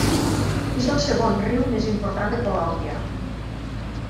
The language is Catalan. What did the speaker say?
És el segon riu més important de Colòmbia.